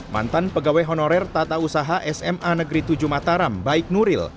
mantan pegawai honorer tata usaha sma negeri tujuh mataram baik nuril